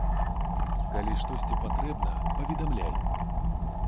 Калі штосьці патрэбна, паведамляй.